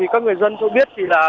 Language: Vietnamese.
các người dân cho biết